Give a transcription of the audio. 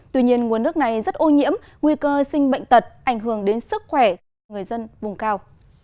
tuy nhiên nguồn nước này rất ô nhiễm nguy cơ sinh bệnh tật ảnh hưởng đến sức khỏe của người dân vùng cao